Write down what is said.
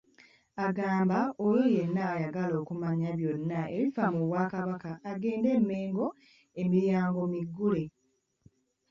Agamba oyo yenna ayagala okumanya byonna ebifa mu Bwakabaka agende e Mengo emiryango miggule.